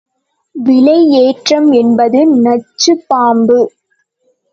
விலை ஏற்றம் என்பது நச்சுப் பாம்பு.